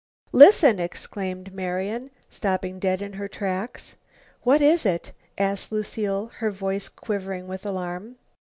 "Listen!" exclaimed Marian, stopping dead in her tracks. "What is it?" asked Lucile, her voice quivering with alarm.